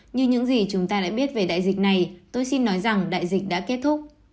như những gì chúng ta đã biết về đại dịch này tôi xin nói rằng đại dịch đã kết thúc